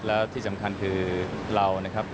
แล้วที่สำคัญคือเรานะครับ